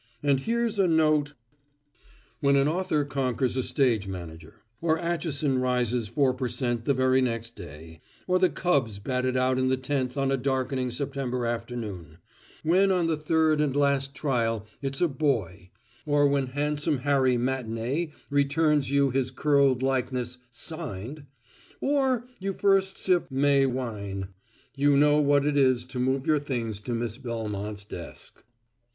And here's a note " When an author conquers a stage manager; or Atchison rises 4% the very next day; or the Cubs bat it out in the tenth on a darkening September afternoon; when on the third and last trial, it's a boy; or when Handsome Harry Matinee returns you his curled likeness signed; or you first sip Mai Wein, you know what it is to move your things to Miss Belmont's desk.